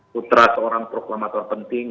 putra seorang proklamator penting